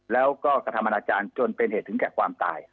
แล้วก็กระทำอนาจารย์จนเป็นเหตุถึงแก่ความตาย